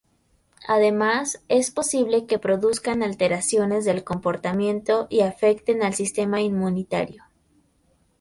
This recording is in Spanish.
Además, es posible que produzcan alteraciones del comportamiento y afecten al sistema inmunitario.